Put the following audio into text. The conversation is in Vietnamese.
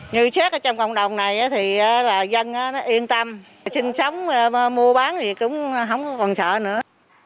như xét ở trong cộng đồng này thì là dân yên tâm sinh sống mua bán thì cũng không còn sợ nữa